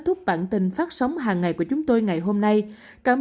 thúc bản tin phát sóng hàng ngày của chúng tôi ngày hôm nay cảm ơn